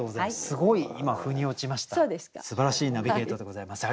すばらしいナビゲートでございます。